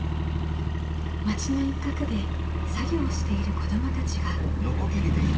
町の一角で作業をしている子どもたちが。